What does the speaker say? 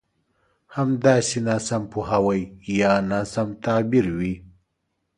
همداسې ناسم پوهاوی يا ناسم تعبير وي.